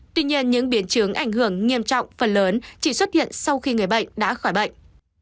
tuy nhiên những biến chứng ảnh hưởng nghiêm trọng phần lớn chỉ xuất hiện sau khi người bệnh đã khỏi bệnh